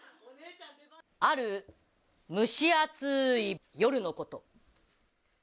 ある蒸し暑い夜のこと。